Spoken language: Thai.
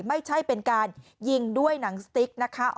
ไม่ใช่เป็นการยิงด้วยหนังสติ๊กนะคะ